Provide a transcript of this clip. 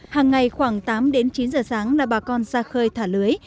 hàng ngày khoảng tám đến chín giờ sáng là bà con ra khơi thả lưới